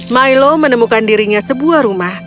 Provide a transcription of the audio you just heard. milo menemukan dirinya sebuah rumah